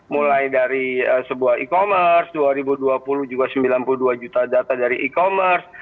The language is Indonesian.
mulai dari sebuah e commerce dua ribu dua puluh juga sembilan puluh dua juta data dari e commerce